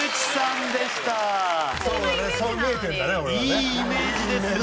いいイメージですね。